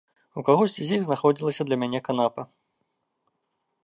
У кагосьці з іх знаходзілася для мяне канапа.